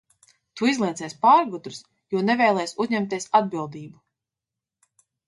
Tu izliecies pārgudrs, jo nevēlies uzņemties atbildību!